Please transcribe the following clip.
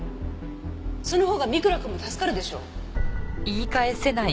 そのほうが三倉くんも助かるでしょ？